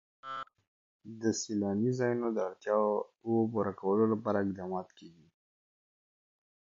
د سیلاني ځایونو د اړتیاوو پوره کولو لپاره اقدامات کېږي.